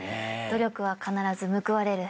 「努力は必ず報われる」